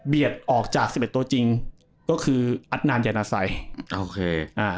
ออกจากสิบเอ็ดตัวจริงก็คืออัดนานยานาสัยโอเคอ่า